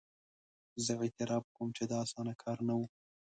زه اعتراف کوم چې دا اسانه کار نه وو.